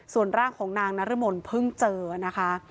ส่วนร่างของนางนรมนเพิ่งเจอนะคะ